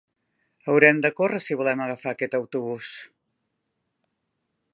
Haurem de córrer si volem agafar aquest autobús.